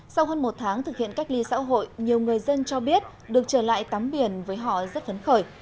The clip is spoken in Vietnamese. sau hơn một tháng thực hiện cách ly xã hội nhiều người dân cho biết được trở lại tắm biển với họ rất phấn khởi